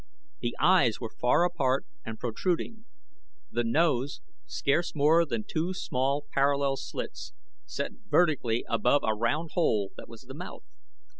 The eyes were far apart and protruding, the nose scarce more than two small, parallel slits set vertically above a round hole that was the mouth.